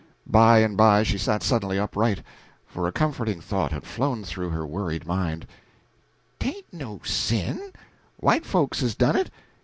By and by she sat suddenly upright, for a comforting thought had flown through her worried mind "'Tain't no sin white folks has done it!